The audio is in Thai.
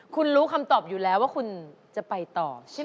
คุณรู้คำตอบอยู่แล้วว่าคุณจะไปต่อใช่ไหม